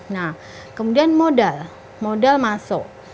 nah kemudian modal modal masuk